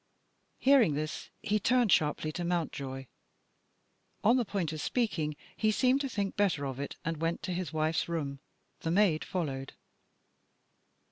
Hearing this, he turned sharply to Mountjoy. On the point of speaking, he seemed to think better of it, and went to his wife's room. The maid followed.